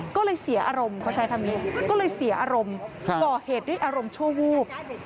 ก็เลยเสียอารมณ์เขาใช้คำนี้ก็เลยเสียอารมณ์ก่อเหตุด้วยอารมณ์ชั่ววูบ